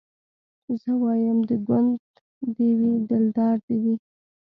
زه وايم د ګوند دي وي دلدار دي وي